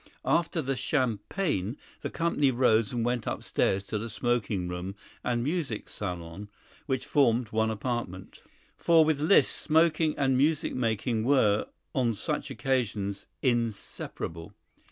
After the champagne, the company rose and went upstairs to the smoking room and music salon, which formed one apartment, "for with Liszt, smoking and music making were, on such occasions, inseparable."